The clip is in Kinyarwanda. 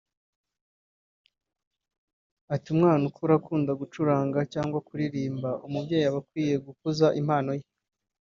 Ati “Umwana ukura akunda gucuranga cyangwa kuririmba umubyeyi aba akwiye gukuza impano ye